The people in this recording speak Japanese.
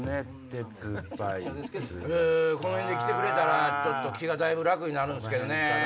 この辺で来てくれたら気がだいぶ楽になるんすけどね。